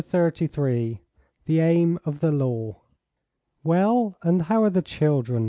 CHAPTER XXXIII. THE AIM OF THE LAW. "Well, and how are the children?"